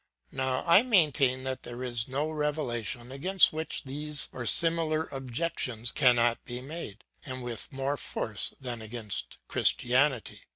Now I maintain that there is no revelation against which these or similar objections cannot be made, and with more force than against Christianity.